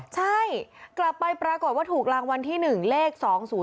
ใช่กลับไปปรากฏว่าถูกรางวัลที่๑เลข๒๐